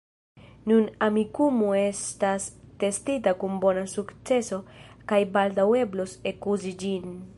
Nun Amikumu estas testita kun bona sukceso kaj baldaŭ eblos ekuzi ĝin.